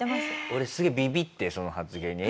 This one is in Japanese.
俺すげえビビってその発言に。